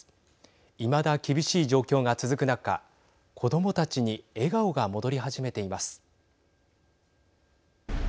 いまだ厳しい状況が続く中子どもたちに笑顔が戻り始めています。